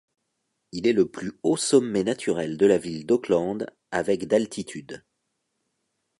Il est le plus haut sommet naturel de la ville d'Auckland avec d'altitude.